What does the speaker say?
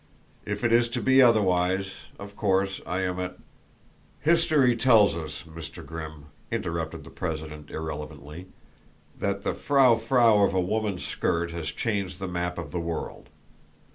"If it is to be otherwise, of course I am at " "History tells us, Mr. Grimm," interrupted the president irrelevantly, "that the frou frou of a woman's skirt has changed the map of the world.